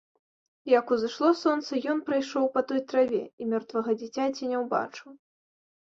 Як узышло сонца, ён прайшоў па той траве і мёртвага дзіцяці не ўбачыў.